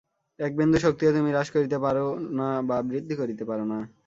এক বিন্দু শক্তিও তুমি হ্রাস করিতে পার না বা বৃদ্ধি করিতে পার না।